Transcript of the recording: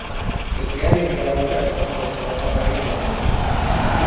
Eu quero enviar um cartão postal para a Irlanda.